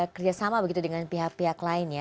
kerjasama begitu dengan pihak pihak lainnya